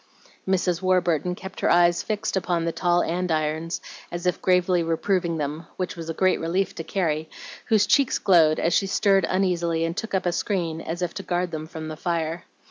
Mrs. Warburton kept her eyes fixed upon the tall andirons as if gravely reproving them, which was a great relief to Carrie, whose cheeks glowed as she stirred uneasily and took up a screen as if to guard them from the fire.